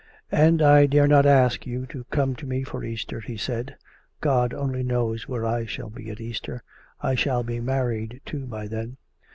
" And I dare not ask you to come to me for Easter," he said. " God only knows where I shall be at Easter. I shall be married, too, by then.